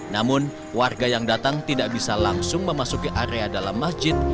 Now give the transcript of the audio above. namun warga yang datang tidak bisa langsung memasuki area dalam masjid